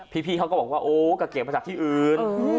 พี่เขาก็บอกว่าโอ้ก็เก็บมาจากที่อื่น